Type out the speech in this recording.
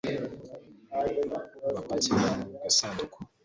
bapakira mu gasanduku